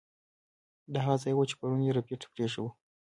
دا هغه ځای و چې پرون یې ربیټ پریښی و